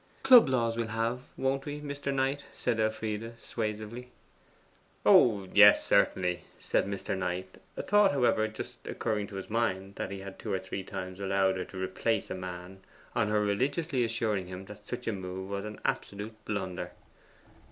'Club laws we'll have, won't we, Mr. Knight?' said Elfride suasively. 'Oh yes, certainly,' said Mr. Knight, a thought, however, just occurring to his mind, that he had two or three times allowed her to replace a man on her religiously assuring him that such a move was an absolute blunder.